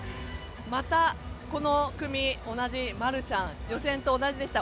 またこの組マルシャン予選と同じでした。